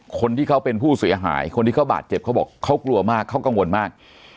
คนที่เขาเป็นผู้เสียหายคนที่เขาบาดเจ็บเขาบอกเขากลัวมากเขากังวลมาก